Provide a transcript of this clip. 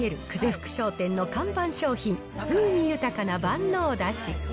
福商店の看板商品、風味豊かな万能だし。